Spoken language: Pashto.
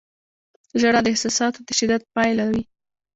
• ژړا د احساساتو د شدت پایله وي.